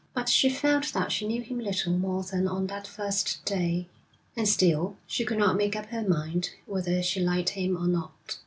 But she felt that she knew him little more than on that first day, and still she could not make up her mind whether she liked him or not.